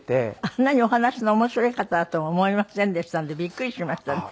あんなにお話の面白い方だとは思いませんでしたのでびっくりしましたね。